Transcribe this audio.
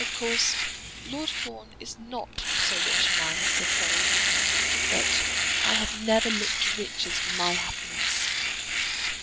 Of course Lord Fawn is not so rich a man as Sir Florian, but I have never looked to riches for my happiness.